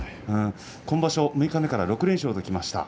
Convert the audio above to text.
今場所、六日目から連勝できました。